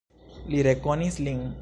Li rekonis lin.